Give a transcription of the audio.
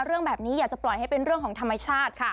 เรื่องแบบนี้อยากจะปล่อยให้เป็นเรื่องของธรรมชาติค่ะ